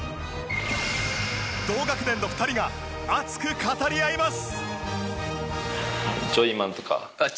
同学年の２人が熱く語り合います。